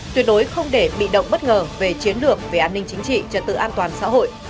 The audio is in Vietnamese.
tuyệt đối không để bị động bất ngờ về chiến lược về an ninh chính trị trật tự an toàn xã hội